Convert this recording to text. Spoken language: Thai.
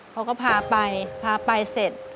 เขาก็พาไปเสร็จ